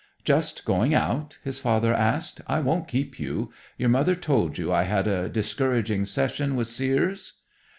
"Just going out?" his father asked. "I won't keep you. Your mother told you I had a discouraging session with Seares?"